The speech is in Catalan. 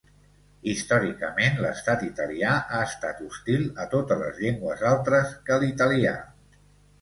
Històricament l'Estat italià ha estat hostil a totes les llengües altres que l'italià.